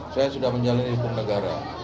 saya sudah menjalani hukum negara